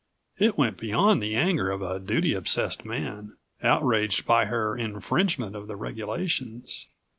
It went beyond the anger of a duty obsessed man, outraged by her infringement of the regulations.